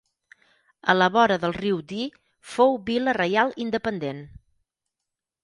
A la vora del Riu Dee, fou Vila Reial independent.